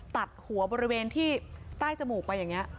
ตัดหัวบริเวณที่ใต้จมูกไปอย่างนี้